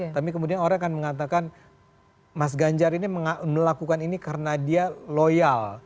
tapi kemudian orang akan mengatakan mas ganjar ini melakukan ini karena dia loyal